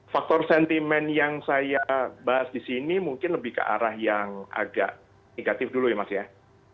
faktor sentimen yang saya bahas di sini mungkin lebih ke arah yang agak negatif dulu ya mas ya